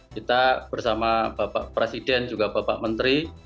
kita bersama bapak presiden juga bapak menteri